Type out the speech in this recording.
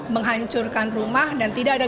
menghancurkan rumah dan tidak ada